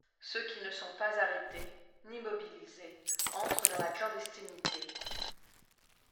Ceux qui ne sont pas arrêtés, ni mobilisés, entrent dans la clandestinité.